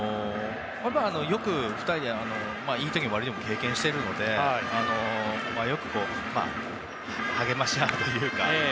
よく２人でいい時も、悪い時も経験しているのでよく励まし合うというか。